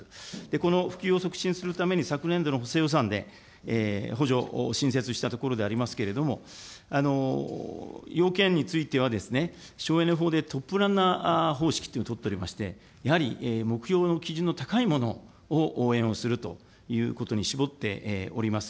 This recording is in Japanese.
この普及を促進するために昨年度の補正予算で補助、新設したところでありますけれども、要件については、省エネ法でトップランナー方式というのを取っておりまして、やはり目標の基準の高いものを応援をするということに絞っております。